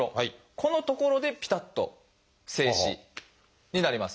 このところでぴたっと静止になります。